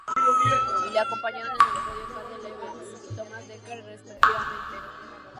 Le acompañaron en el podio Cadel Evans y Thomas Dekker, respectivamente.